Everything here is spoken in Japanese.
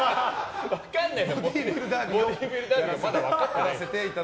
分かんないから。